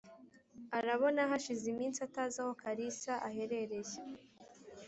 arabona hashize iminsi atazi aho kalisa aherereye